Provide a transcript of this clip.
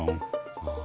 ああ。